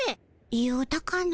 言うたかの？